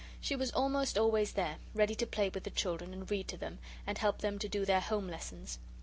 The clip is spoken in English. She was almost always there, ready to play with the children, and read to them, and help them to do their home lessons.